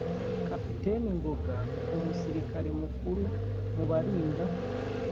kapiteni ngoga: umusirikari mukuru mu barinda